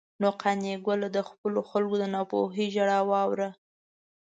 نو قانع ګله، د خپلو خلکو د ناپوهۍ ژړا واوره.